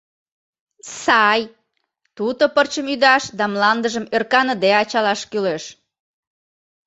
Сай, туто пырчым ӱдаш да мландыжым ӧрканыде ачалаш кӱлеш.